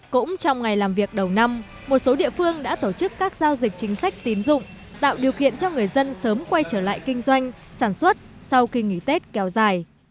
cũng trong ngày làm việc đầu năm một số địa phương đã tổ chức các giao dịch chính sách tín dụng tạo điều kiện cho người dân sớm quay trở lại kinh doanh sản xuất sau kỳ nghỉ tết kéo dài